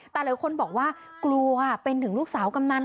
แต่หลายคนบอกว่ากลัวเป็นถึงลูกสาวกำนัน